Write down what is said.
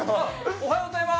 おはようございます。